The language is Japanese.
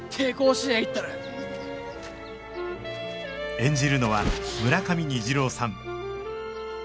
演じるのは村上虹郎さん